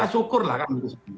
kita syukurlah kan begitu saja